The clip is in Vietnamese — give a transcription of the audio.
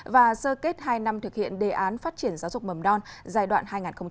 và sơ kết hai năm thực hiện đề án phát triển giáo dục mầm non giai đoạn hai nghìn một mươi sáu hai nghìn hai mươi